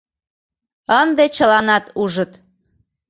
Ынде чыланат ужыт.